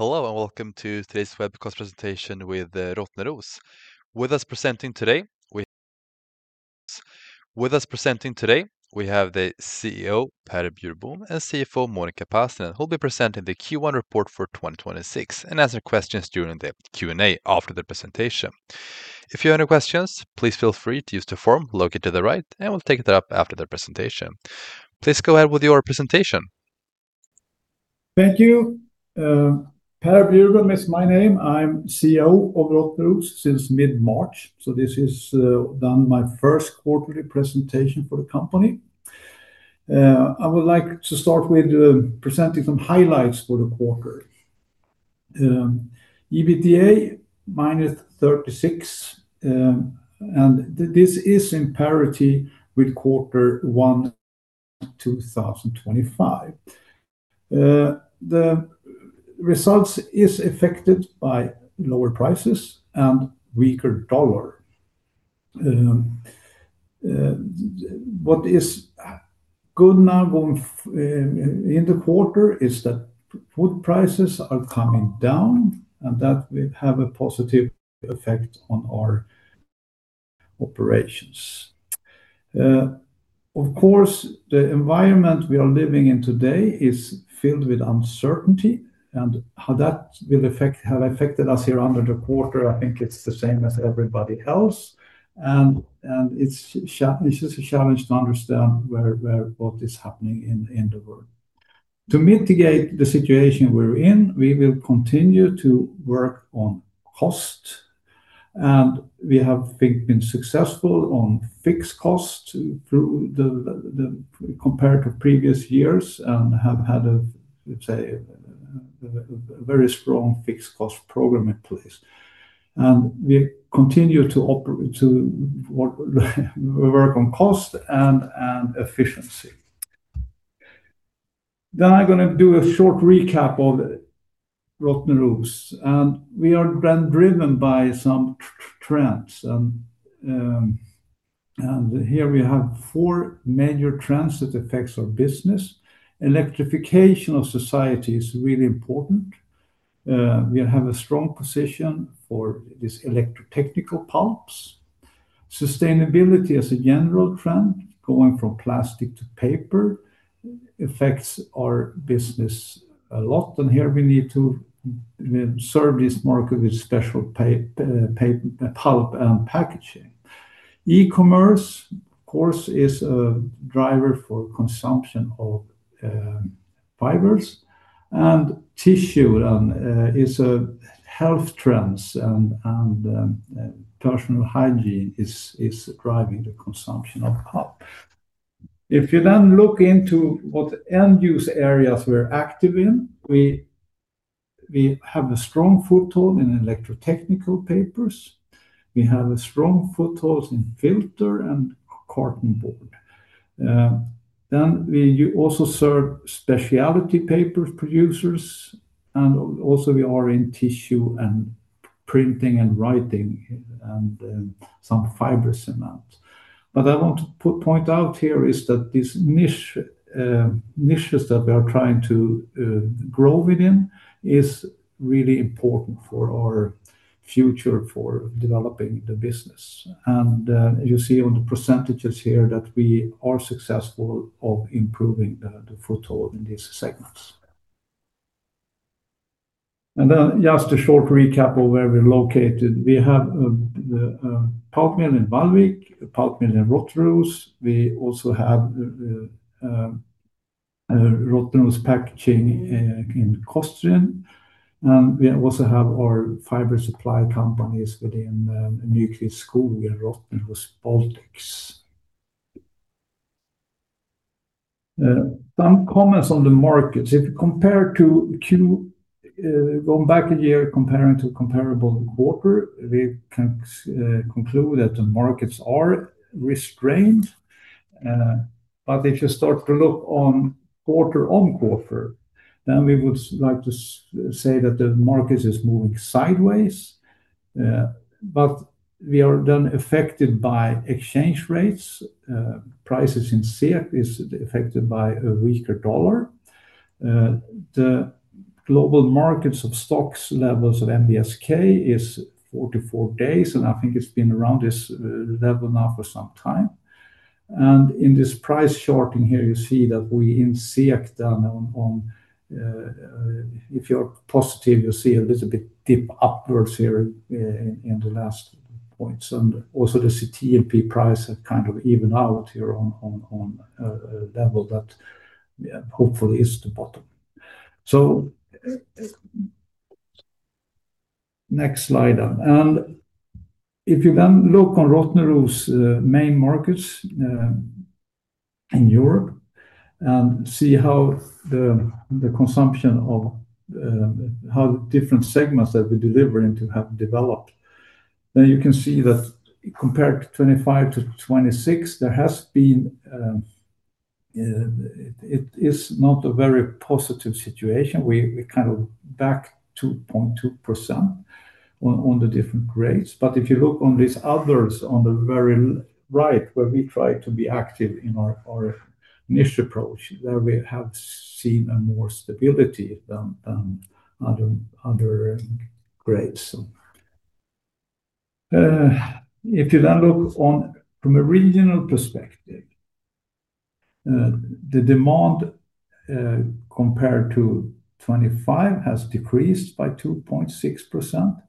Hello, and welcome to today's webcast presentation with Rottneros. With us presenting today, we have the CEO, Lennart Eberleh, and CFO, Monica Pasanen, who'll be presenting the Q1 report for 2026 and answer questions during the Q&A after the presentation. If you have any questions, please feel free to use the form located to the right, and we'll take that up after the presentation. Please go ahead with your presentation. Thank you. Lennart Eberleh is my name. I'm CEO of Rottneros since mid-March, this is my first quarterly presentation for the company. I would like to start with presenting some highlights for the quarter. EBITDA minus 36, this is in parity with Q1 2025. The results is affected by lower prices and weaker U.S. dollar. What is good now going in the quarter is that wood prices are coming down, that will have a positive effect on our operations. Of course, the environment we are living in today is filled with uncertainty, how that will have affected us here under the quarter, I think it's the same as everybody else. This is a challenge to understand where what is happening in the world. To mitigate the situation we're in, we will continue to work on cost, we have been successful on fixed costs compared to previous years and have had a, let's say, a very strong fixed cost program in place. We continue to work on cost and efficiency. I'm gonna do a short recap of Rottneros. We are then driven by some trends. Here we have four major trends that affects our business. Electrification of society is really important. We have a strong position for these electrotechnical pulps. Sustainability as a general trend, going from plastic to paper, affects our business a lot. Here we need to serve this market with special pulp and packaging. E-commerce, of course, is a driver for consumption of fibers. Tissue is a health trends, and personal hygiene is driving the consumption of pulp. If you then look into what end use areas we're active in, we have a strong foothold in electrotechnical papers. We have a strong foothold in filter and carton board. We also serve specialty paper producers, and also we are in tissue and printing and writing and some fibers in that. I want to point out here is that niches that we are trying to grow within is really important for our future for developing the business. You see on the percentages here that we are successful of improving the foothold in these segments. Just a short recap of where we're located. We have the pulp mill in Vallvik, a pulp mill in Rottneros. We also have Rottneros Packaging in Sunne. We also have our fiber supply companies within Nykvist Skogs and Rottneros Baltics. Some comments on the markets. If you compare to going back a year comparing to comparable quarter, we can conclude that the markets are restrained. If you start to look on quarter on quarter, then we would like to say that the markets is moving sideways. We are then affected by exchange rates. Prices in SEK is affected by a weaker U.S. dollar. The global markets of stocks levels of NBSK is 44 days, and I think it's been around this level now for some time. In this price charting here, you see that we in SEK then on, if you're positive, you see a little bit dip upwards here in the last points. Also the CTMP price have kind of even out here on a level that, yeah, hopefully is the bottom. Next slide. If you then look on Rottneros' main markets in Europe and see how the consumption of how different segments that we deliver into have developed, then you can see that compared to 2025 to 2026, there has been, it is not a very positive situation. We kind of back 2.2% on the different grades. If you look on these others on the very right, where we try to be active in our niche approach, there we have seen a more stability than other grades. If you then look on from a regional perspective, the demand compared to 2025 has decreased by 2.6%.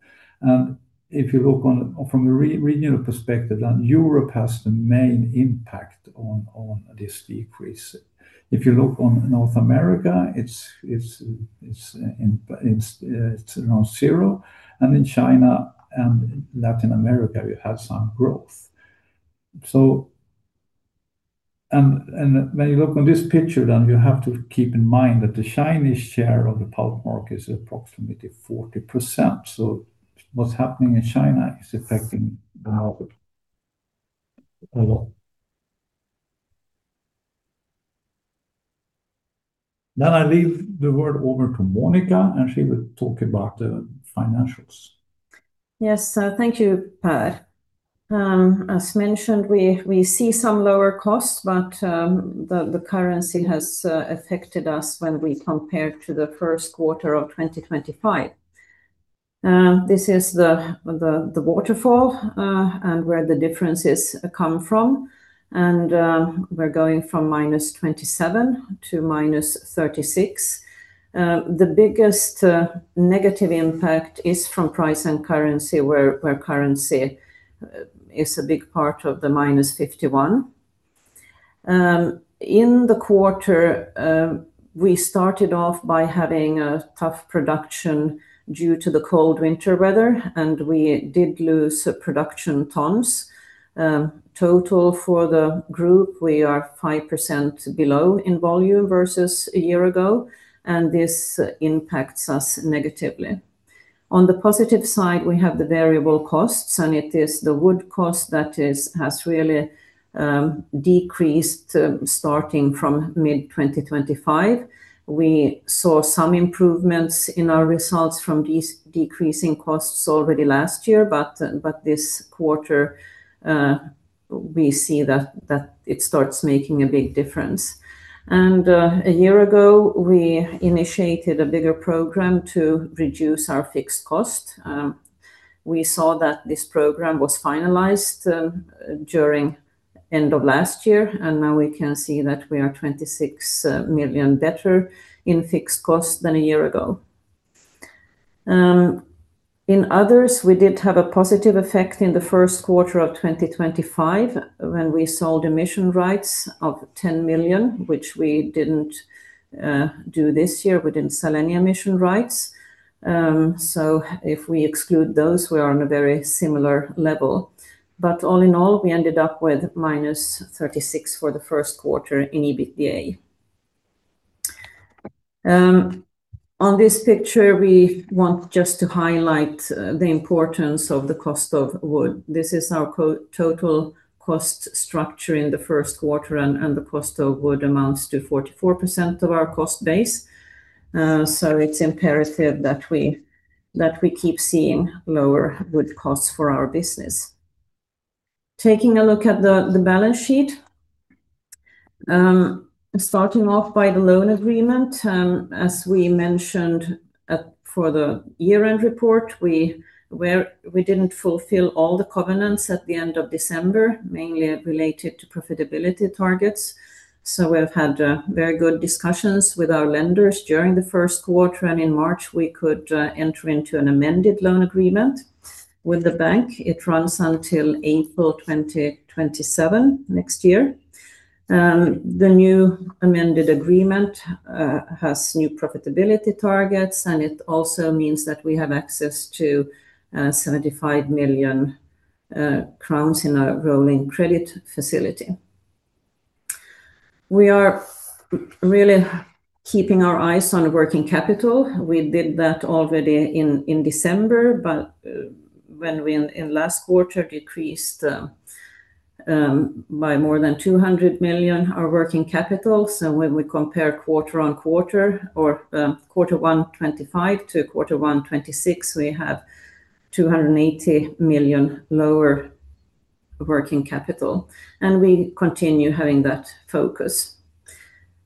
If you look on from a regional perspective, then Europe has the main impact on this decrease. If you look on North America, it's around zero. In China and Latin America, you have some growth. When you look on this picture, then you have to keep in mind that the Chinese share of the pulp market is approximately 40%. What's happening in China is affecting the market a lot. I leave the word over to Monica, and she will talk about the financials. Yes. Thank you, Lennart. As mentioned, we see some lower costs, but the currency has affected us when we compare to the first quarter of 2025. This is the waterfall and where the differences come from. We are going from minus 27 to minus 36. The biggest negative impact is from price and currency, where currency is a big part of the minus 51. In the quarter, we started off by having a tough production due to the cold winter weather, and we did lose production tons. Total for the group, we are 5% below in volume versus a year ago, and this impacts us negatively. On the positive side, we have the variable costs. It is the wood cost that has really decreased, starting from mid 2025. We saw some improvements in our results from these decreasing costs already last year. This quarter, we see that it starts making a big difference. A year ago, we initiated a bigger program to reduce our fixed cost. We saw that this program was finalized during end of last year. Now we can see that we are 26 million better in fixed cost than a year ago. In others, we did have a positive effect in the first quarter of 2025 when we sold emission rights of 10 million, which we didn't do this year. We didn't sell any emission rights. If we exclude those, we are on a very similar level. All in all, we ended up with -36 for the first quarter in EBITDA. On this picture, we want just to highlight the importance of the cost of wood. This is our total cost structure in the first quarter and the cost of wood amounts to 44% of our cost base. It's imperative that we keep seeing lower wood costs for our business. Taking a look at the balance sheet, starting off by the loan agreement, as we mentioned for the year-end report, we didn't fulfill all the covenants at the end of December, mainly related to profitability targets. We've had very good discussions with our lenders during the first quarter, and in March, we could enter into an amended loan agreement with the bank. It runs until April 2027, next year. The new amended agreement has new profitability targets, and it also means that we have access to 75 million crowns in our revolving credit facility. We are really keeping our eyes on working capital. We did that already in December, but when we in last quarter decreased by more than 200 million our working capital. When we compare quarter-on-quarter or Q1 2025 to Q1 2026, we have 280 million lower working capital, and we continue having that focus.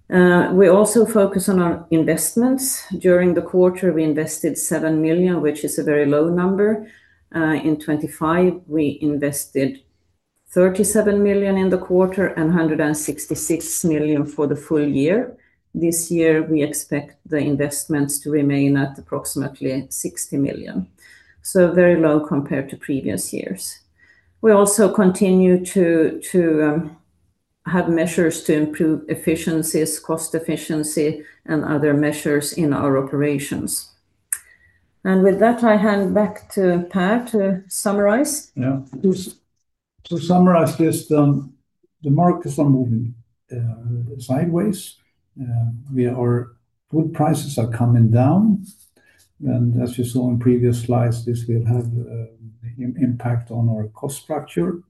We also focus on our investments. During the quarter, we invested 7 million, which is a very low number. In 2025, we invested 37 million in the quarter and 166 million for the full year. This year, we expect the investments to remain at approximately 60 million, so very low compared to previous years. We also continue to have measures to improve efficiencies, cost efficiency, and other measures in our operations. With that, I hand back to Lennart to summarize. Yeah. To summarize this, the markets are moving sideways. Wood prices are coming down. As you saw in previous slides, this will have impact on our cost structure.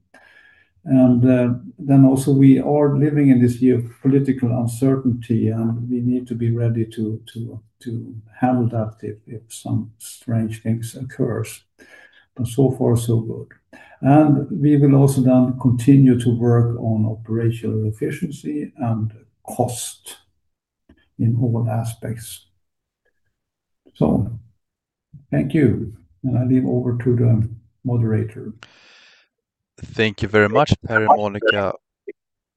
Also, we are living in this year of political uncertainty, and we need to be ready to handle that if some strange things occurs. So far so good. We will also continue to work on operational efficiency and cost in all aspects. Thank you. I leave over to the moderator. Thank you very much, Lennart Eberleh and Monica,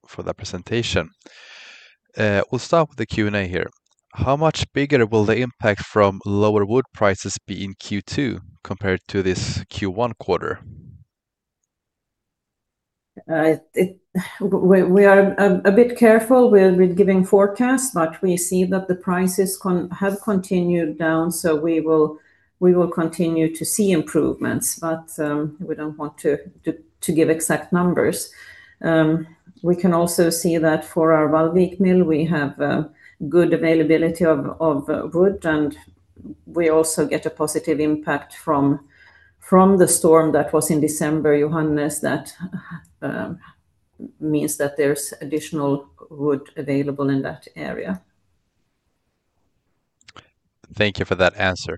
for that presentation. We'll start with the Q&A here. How much bigger will the impact from lower wood prices be in Q2 compared to this Q1 quarter? We are a bit careful with giving forecasts, we see that the prices have continued down, we will continue to see improvements. We don't want to give exact numbers. We can also see that for our Vallvik Mill, we have good availability of wood, and we also get a positive impact from the Storm Johannes that was in December, that means that there's additional wood available in that area. Thank you for that answer.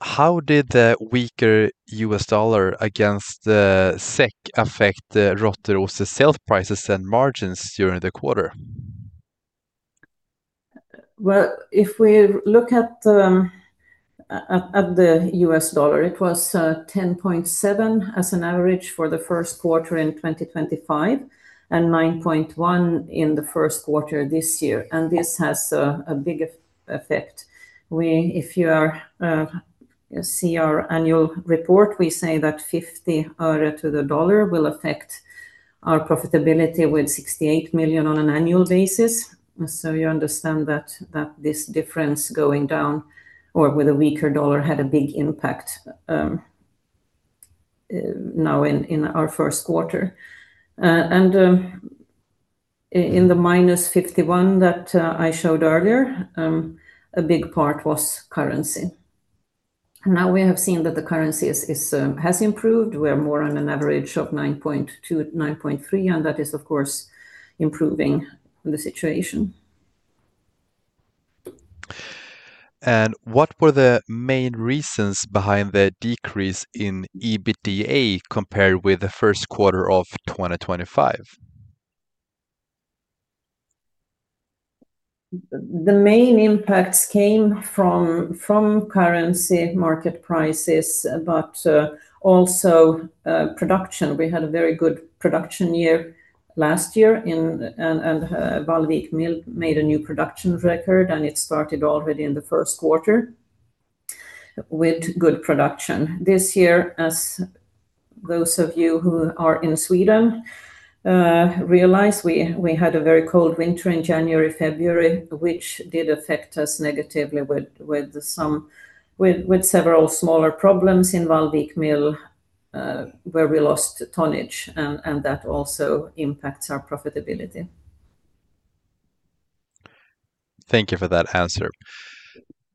How did the weaker U.S. dollar against the SEK affect the Rottneros sales prices and margins during the quarter? If we look at the U.S. dollar, it was 10.7 as an average for the first quarter in 2025, and 9.1 in the first quarter this year, this has a big effect. If you see our annual report, we say that 50 öre to the U.S. dollar will affect our profitability with 68 million on an annual basis. You understand that this difference going down or with a weaker U.S. dollar had a big impact now in our first quarter. And in the minus 51 that I showed earlier, a big part was currency. We have seen that the currency is improved. We are more on an average of 9.2, 9.3, and that is, of course, improving the situation. What were the main reasons behind the decrease in EBITDA compared with the first quarter of 2025? The main impacts came from currency market prices, but also production. We had a very good production year last year and Vallvik Mill made a new production record, and it started already in the first quarter with good production. This year, as those of you who are in Sweden, realize, we had a very cold winter in January, February, which did affect us negatively with several smaller problems in Vallvik Mill, where we lost tonnage, and that also impacts our profitability. Thank you for that answer.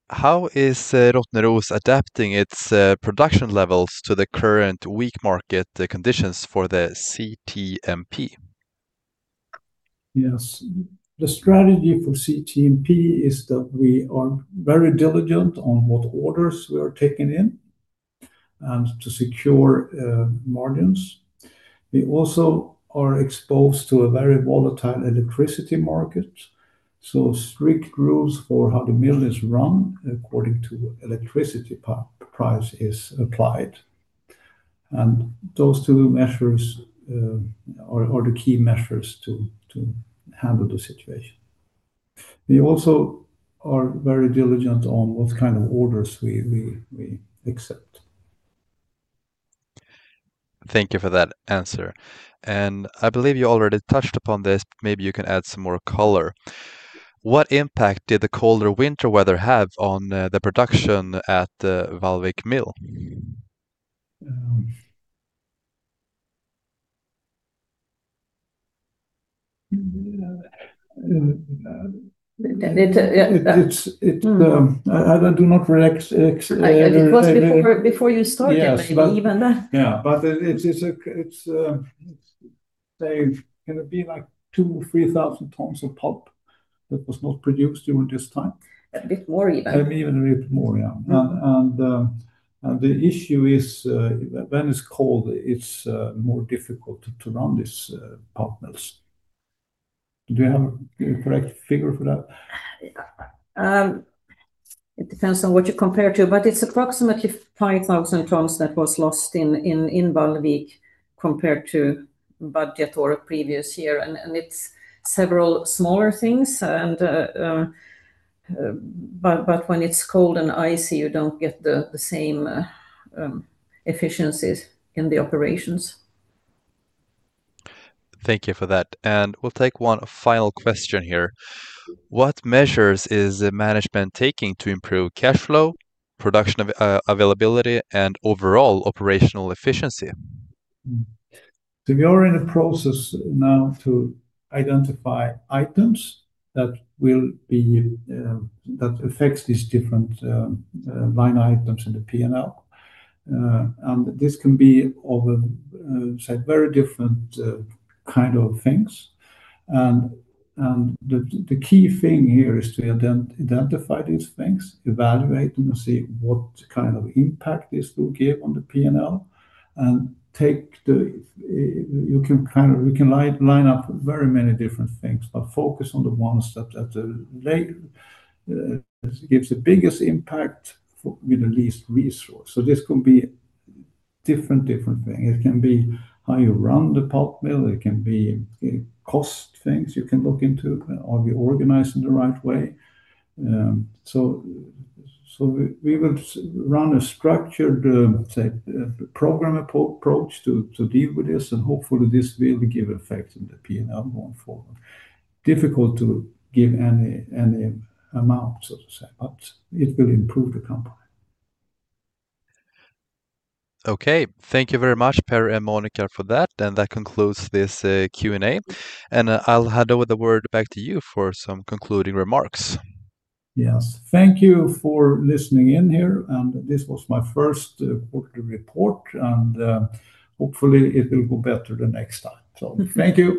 How is Rottneros adapting its production levels to the current weak market, the conditions for the CTMP? Yes. The strategy for CTMP is that we are very diligent on what orders we are taking in and to secure margins. We also are exposed to a very volatile electricity market, so strict rules for how the mill is run according to electricity price is applied. Those two measures are the key measures to handle the situation. We also are very diligent on what kind of orders we accept. Thank you for that answer. I believe you already touched upon this. Maybe you can add some more color. What impact did the colder winter weather have on the production at Vallvik mill? I do not. It was before you started, maybe, even then. Yeah. It's gonna be like 2,000-3,000 tons of pulp that was not produced during this time. A bit more even. Maybe even a bit more, yeah. The issue is, when it's cold, it's more difficult to run these pulp mills. Do you have the correct figure for that? it depends on what you compare to, but it's approximately 5,000 tons that was lost in Vallvik compared to budget or previous year. It's several smaller things and But when it's cold and icy, you don't get the same efficiencies in the operations. Thank you for that. We'll take 1 final question here. What measures is management taking to improve cash flow, production availability, and overall operational efficiency? We are in a process now to identify items that will be that affects these different line items in the P&L. This can be of a say, very different kind of things. The key thing here is to identify these things, evaluate them, and see what kind of impact this will give on the P&L, and take the We can line up very many different things, but focus on the ones that they gives the biggest impact for, with the least resource. This can be different things. It can be how you run the pulp mill. It can be cost things you can look into. Are we organized in the right way? We will run a structured, say, program approach to deal with this, and hopefully this will give effect in the P&L going forward. Difficult to give any amount, so to say, but it will improve the company. Okay. Thank you very much, Per and Monica, for that. That concludes this Q&A. I'll hand over the word back to you for some concluding remarks. Yes. Thank you for listening in here. This was my first quarterly report, and, hopefully it will go better the next time. Thank you.